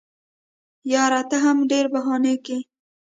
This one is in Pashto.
یاره ته هم ډېري بهانې کیې.